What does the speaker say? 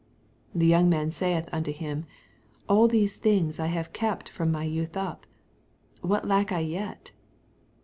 20 The young man saith unto him, All these things have I kept from my youth up : what lack I yet?